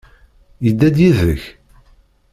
Yedda-d yid-k?